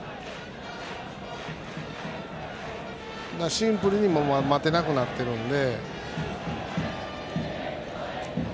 シンプルに待てなくなってるので。